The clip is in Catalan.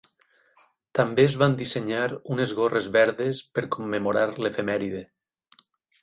També es van dissenyar unes gorres verdes per commemorar l'efemèride.